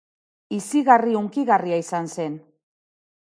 Izigarri hunkigarria izan zen.